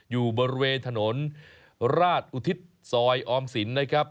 อยู่บระเวทะนดราชอุทิตย์ซอยออมสินแต่ครับ